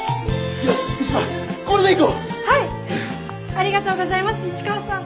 ありがとうございます市川さん。